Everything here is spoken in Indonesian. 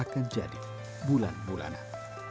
akan jadi bulan bulanan